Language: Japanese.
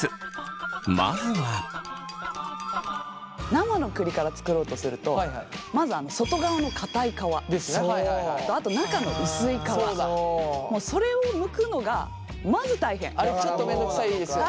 生の栗から作ろうとするとまず外側のかたい皮あと中の薄い皮それをあれちょっと面倒くさいですよね。